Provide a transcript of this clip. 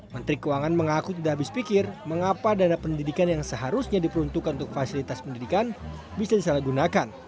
menteri keuangan mengaku tidak habis pikir mengapa dana pendidikan yang seharusnya diperuntukkan untuk fasilitas pendidikan bisa disalahgunakan